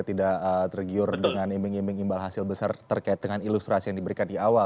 tidak tergiur dengan iming iming imbal hasil besar terkait dengan ilustrasi yang diberikan di awal